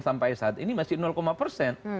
sampai saat ini masih persen